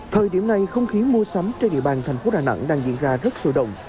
thời điểm này không khí mua sắm trên địa bàn thành phố đà nẵng đang diễn ra rất sôi động